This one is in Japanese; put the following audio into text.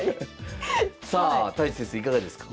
さあ太地先生いかがですか？